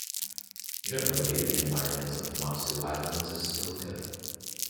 Generally, the environment of Matsu Islands is still good.